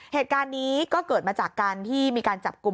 เหตุการณ์นี้ก็เกิดมาจากการที่มีการจับกลุ่ม